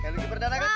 lucky perdana kan